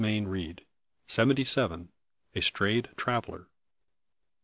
CHAPTER SEVENTY SEVEN. A STRAYED TRAVELLER.